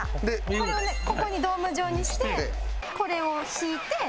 これをここにドーム状にしてこれを敷いてこれをかける？